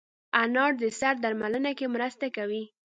انار د سر درملنه کې مرسته کوي.